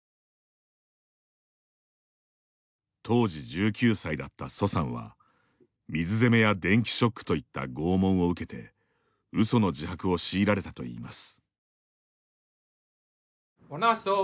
当時１９歳だった蘇さんは水責めや電気ショックといった拷問を受けてうその自白を強いられたといいます。